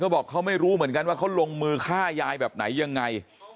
บอกเขาไม่รู้เหมือนกันว่าเขาลงมือฆ่ายายแบบไหนยังไง